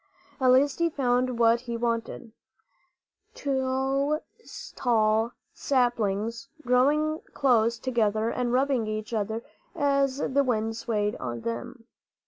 At last he found what he wanted, two tall saplings growing close together and rubbing each other as the wind swayed them.